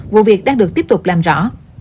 vụ việc đang được tiếp tục làm rõ